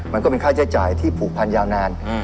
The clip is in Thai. มันก็เป็นค่าใช้จ่ายที่ผูกพันยาวนาน